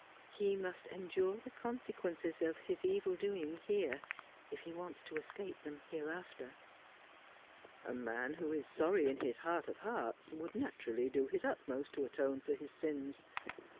He must endiu e the consequences of his evil doing here if he wants to escape them hereafter.' 'A man who is sorry in his heart of hearts would naturally do his utmost to atone for his sins.